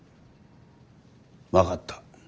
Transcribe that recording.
分かった。